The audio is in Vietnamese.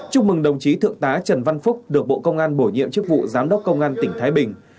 chúc mừng đồng chí thượng tá trần văn phúc được bộ công an bổ nhiệm chức vụ giám đốc công an tỉnh thái bình